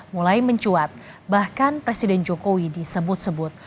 mulai mencuat bahkan presiden jokowi disebut sebut